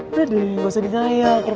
udah deh gak usah denial kerupuk kulit